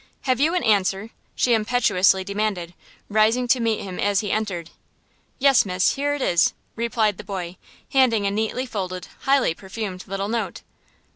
"Have you an answer?" she impetuously demanded, rising to meet him as he entered. "Yes, miss, here it is," replied the boy, handing a neatly folded, highly perfumed little note.